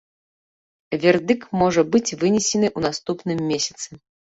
Вердыкт можа быць вынесены ў наступным месяцы.